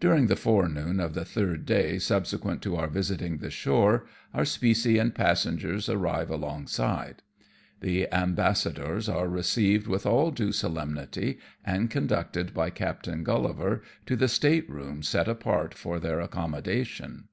During the forenoon of the third day subsequent to our visiting the shore, our specie and passengers arrive 48 AMONG TYPHOONS AND PIRATE CRAFT. alongside. The ambassadors are received with all due solemnity, and conducted by Captain Grullivar to the state room set apart for their accommodation.